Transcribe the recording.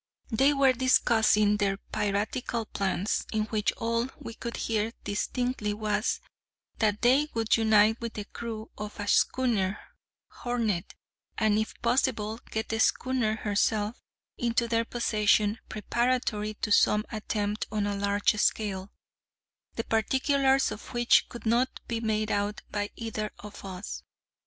They were discussing their piratical plans, in which all we could hear distinctly was, that they would unite with the crew of a schooner Hornet, and, if possible, get the schooner herself into their possession preparatory to some attempt on a large scale, the particulars of which could not be made out by either of us.